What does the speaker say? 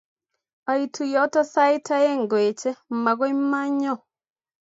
Aitu yoto sait aeng ngoeche magooy manyoo